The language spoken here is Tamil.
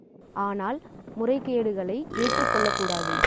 ஆனால் முறைகேடுகளை ஏற்றுக் கொள்ளக்கூடாது.